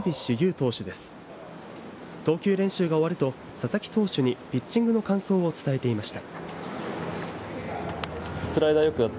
投球練習が終わると佐々木投手にピッチングの感想を伝えていました。